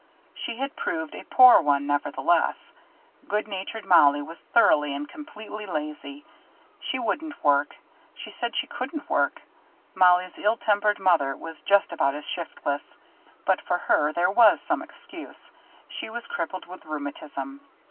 She had proved a poor one, nevertheless. Good natured Mollie was thoroughly and completely lazy. She wouldn't work. She said she couldn't work. Mollie's ill tempered mother was just about as shiftless; but for her there was some excuse. She was crippled with rheumatism.